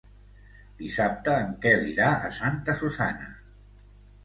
Dissabte en Quel irà a Santa Susanna.